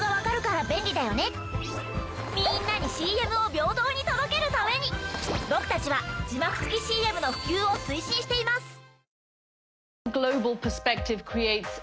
みんなにＣＭを平等に届けるために僕たちは字幕付きＣＭの普及を推進しています。